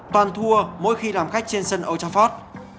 toàn thua mỗi khi làm khách trên sân old trafford